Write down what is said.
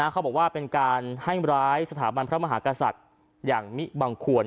เขาบอกว่าเป็นการให้ร้ายสถาบันพระมหากษัตริย์อย่างมิบังควร